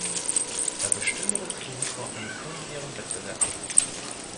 Da bestünde das Risiko eines unfairen Wettbewerbs.